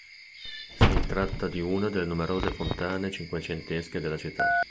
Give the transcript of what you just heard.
Si tratta di una delle numerose fontane cinquecentesche della città.